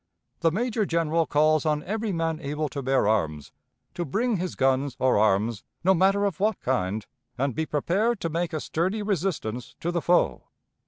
"The Major General calls on every man able to bear arms to bring his guns or arms, no matter of what kind, and be prepared to make a sturdy resistance to the foe.